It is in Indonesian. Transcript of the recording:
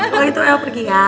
kalo gitu el pergi ya